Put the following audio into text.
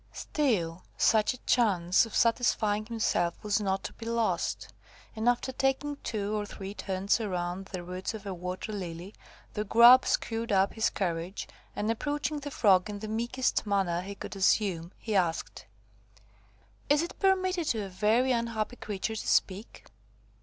Still, such a chance of satisfying himself was not to be lost, and after taking two or three turns round the roots of a water lily, the Grub screwed up his courage, and approaching the Frog in the meekest manner he could assume, he asked– "Is it permitted to a very unhappy creature to speak?"